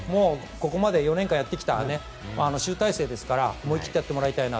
４年間やってきた集大成ですから思い切ってやってもらいたいな。